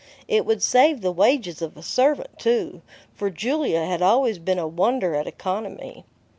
It would save the wages of a servant, too, for Julia had always been a wonder at economy.